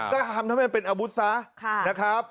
ก็ทำให้เป็นอาวุธซะ